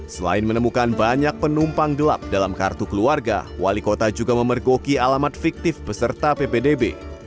selain menemukan banyak penumpang gelap dalam kartu keluarga wali kota juga memergoki alamat fiktif peserta ppdb